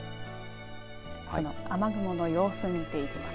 雨雲の様子見ていきます。